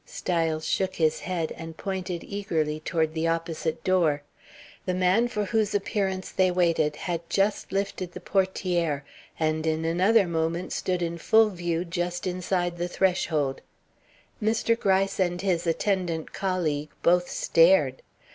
Styles shook his head, and pointed eagerly toward the opposite door. The man for whose appearance they waited had just lifted the portière and in another moment stood in full view just inside the threshold. Mr. Gryce and his attendant colleague both stared.